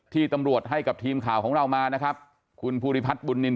ที่ตำรวจให้กับทีมข่าวของเรามานะครับคุณภูริพัฒน์บุญนิน